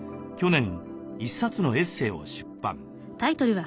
去年一冊のエッセイを出版。